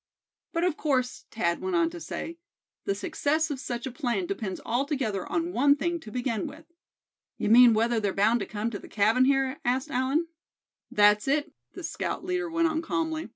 "But of course," Thad went on to say, "the success of such a plan depends altogether on one thing to begin with." "You mean whether they're bound to come to the cabin here?" asked Allan. "That's it," the scout leader went on, calmly.